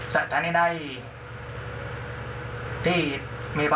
ครับครับสวัสดีครับได้คุณทน